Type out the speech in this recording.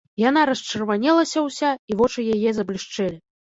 Яна расчырванелася ўся, і вочы яе заблішчэлі.